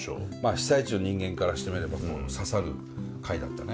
被災地の人間からしてみれば刺さる回だったね。